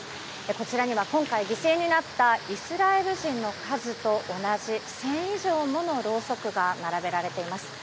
こちらには今回犠牲になったイスラエル人の数と同じ１０００以上もの、ろうそくが並べられています。